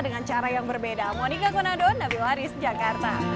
dengan cara yang berbeda